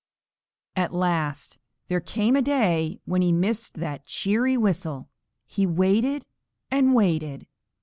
At last there came a day when he missed that cheery whistle. He waited and waited.